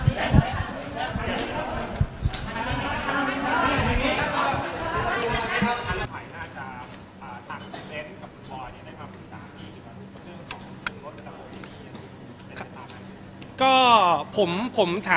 สวัสดีครับ